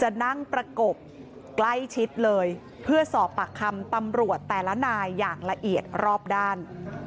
จะนั่งประกบใกล้ชิดเลยเพื่อสอบปากคำตำรวจแต่ละนายอย่างละเอียดรอบด้าน